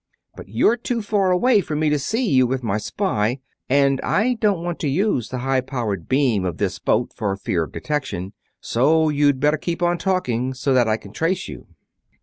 But you're too far away for me to see you with my spy, and I don't want to use the high powered beam of this boat for fear of detection; so you'd better keep on talking, so that I can trace you."